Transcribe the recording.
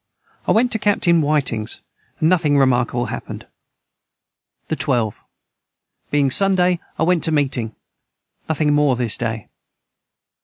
I went to captain whitings and nothing remarkable hapned. the 12. Being Sunday I went to meting Nothing more this day.